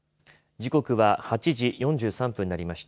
時刻は８時４３分になりました。